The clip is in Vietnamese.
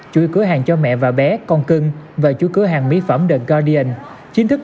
chú ý cửa hàng cho mẹ và bé con cưng và chú ý cửa hàng mỹ phẩm the guardian chính thức